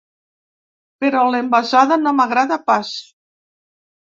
Però l’envasada no m’agrada pas.